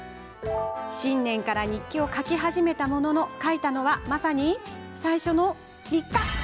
新年から日記を書き始めたものの書いたのは、まさに最初の３日。